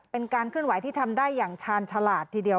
เป็นการเคลื่อนไหวที่ทำได้อย่างชาญฉลาดทีเดียว